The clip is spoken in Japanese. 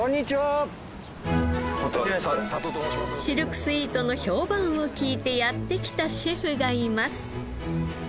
シルクスイートの評判を聞いてやって来たシェフがいます。